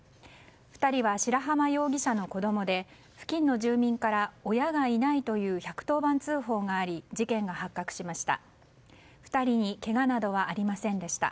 ２人は白濱容疑者の子供で付近の住民から親がいないという１１０番通報があり事件が発覚しました。